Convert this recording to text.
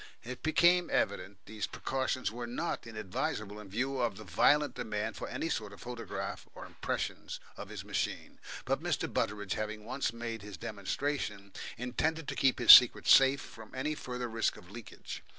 It became evident these precautions were not inadvisable in view of the violent demand for any sort of photograph or impressions of his machine. But Mr. Butteridge, having once made his demonstration, intended to keep his secret safe from any further risk of leakage.